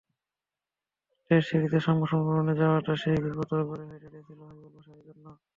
Test সিরিজের সংবাদ সম্মেলনে যাওয়াটা তাই বিব্রতকরই হয়ে দাঁড়িয়েছিল হাবিবুল বাশারের জন্য।